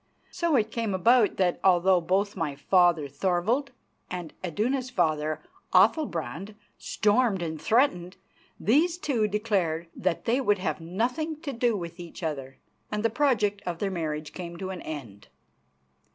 So it came about that, although both my father, Thorvald, and Iduna's father, Athalbrand, stormed and threatened, these two declared that they would have nothing to do with each other, and the project of their marriage came to an end.